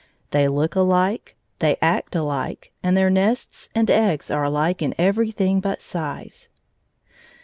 They look alike, they act alike, and their nests and eggs are alike in everything but size.